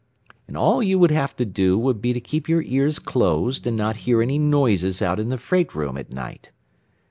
"And all you would have to do would be to keep your ears closed, and not hear any noises out in the freight room at night."